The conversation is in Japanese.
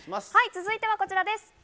続いてはこちらです。